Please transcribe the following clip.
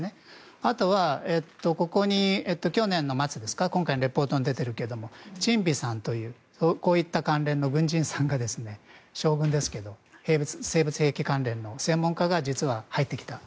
あとはここに去年の末に今回レポートに出ていますがチン・ビさんというこういった関連の軍人さんが将軍ですけど生物兵器関連の専門家が実は入ってきた。